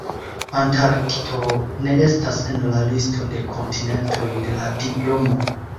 Antarkto ne estas en la listo de kontinentoj de la diplomo.